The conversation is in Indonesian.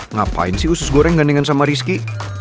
ngapain sih usus goreng gandengan sama rizky